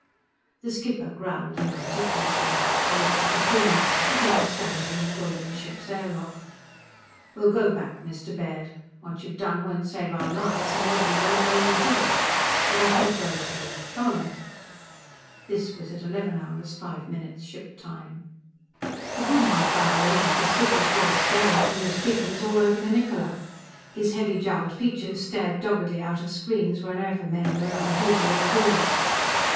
The skipper growled inarticulately. He looked at the Plumie, again standing in the golden ship's air lock. "_We'll go back, Mr. Baird. What you've done won't save our lives, and nobody will ever know you did it. But I think well of you. Come along!_" This was at 11 hours 5 minutes ship time. A good half hour later the skipper's voice bellowed from the speakers all over the Niccola. His heavy jowled features stared doggedly out of screens wherever men were on duty or at ease.